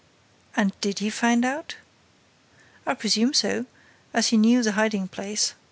'" "And did he find out?" "I presume so, as he knew the hiding place.